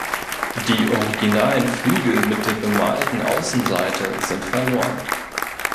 Die originalen Flügel mit der bemalten Außenseite sind verloren.